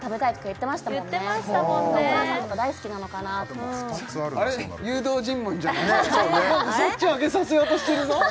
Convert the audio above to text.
もうそっちを上げさせようとしてるの？